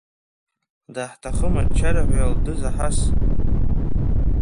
Даҳҭахым ачарҳәаҩ Алдыз аҳас!